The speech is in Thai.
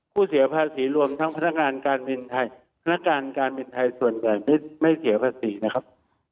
เสียภาษีรวมทั้งพนักงานการบินไทยพนักการการบินไทยส่วนใหญ่ไม่เสียภาษีนะครับ